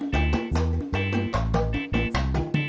nah caranya ini masih simpan